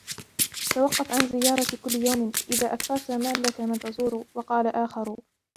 تَوَقَّفْ عَنْ زِيَارَةِ كُلِّ يَوْمٍ إذَا أَكْثَرْت مَلَّكَ مَنْ تَزُورُ وَقَالَ آخَرُ